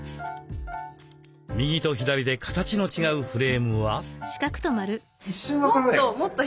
右と左で形の違うフレームは？